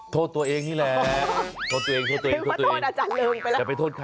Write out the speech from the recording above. ทดตัวเองนี่แหละไม่มาทดอาจารย์เริ่มไปหรอก